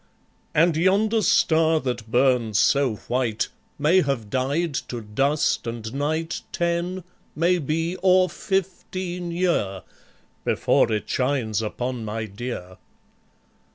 And yonder star that burns so white, May have died to dust and night Ten, maybe, or fifteen year, Before it shines upon my dear.